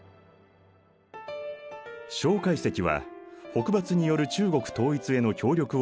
介石は北伐による中国統一への協力を求め来日。